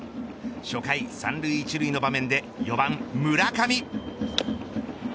初回３塁１塁の場面で４番村上。